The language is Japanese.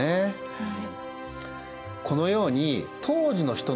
はい。